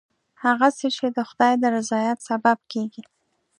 هغه څه چې د خدای د رضایت سبب کېږي.